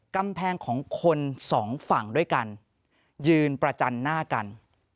กำแพงของคนสองฝั่งด้วยกันยืนประจันหน้ากัน